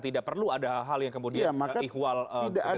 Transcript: tidak perlu ada hal yang kemudian ihwal kegentingan